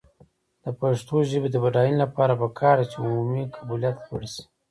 د پښتو ژبې د بډاینې لپاره پکار ده چې عمومي قبولیت لوړ شي.